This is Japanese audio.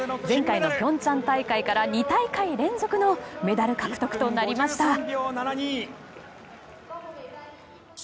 前回の平昌大会から２大会連続のメダル獲得となりました。